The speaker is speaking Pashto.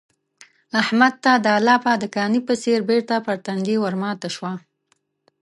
احمد ته دا لاپه د کاني په څېر بېرته پر تندي ورماته شوه.